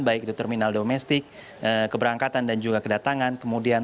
baik itu terminal domestik keberangkatan dan juga kedatangan